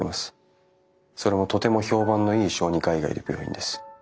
それもとても評判のいい小児科医がいる病院です。